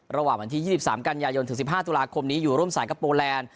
ระหว่างวันที่๒๓กันยายนถึง๑๕ตุลาคมนี้อยู่ร่วมสายกับโปแลนด์